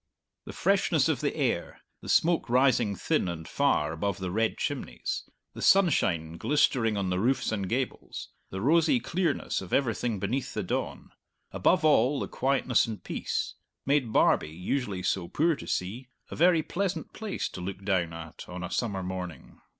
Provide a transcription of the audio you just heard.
The freshness of the air, the smoke rising thin and far above the red chimneys, the sunshine glistering on the roofs and gables, the rosy clearness of everything beneath the dawn above all, the quietness and peace made Barbie, usually so poor to see, a very pleasant place to look down at on a summer morning.